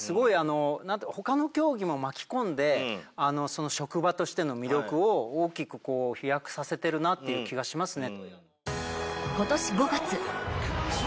他の競技も巻き込んで職場としての魅力を大きく飛躍させてるなっていう気がしますね。